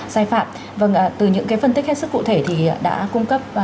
sai phạm vâng từ những cái phân tích hết sức cụ thể thì đã cung cấp